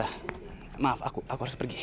ah maaf aku harus pergi